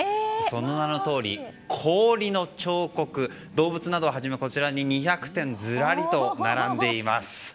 その名のとおり、氷の彫刻動物などをはじめこちらに２００点ずらりと並んでいます。